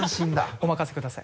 お任せください。